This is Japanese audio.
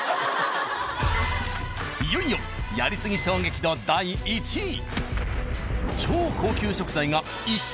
いよいよやりすぎ衝撃度第１位。